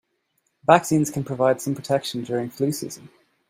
Vaccines can provide some protection during flu season.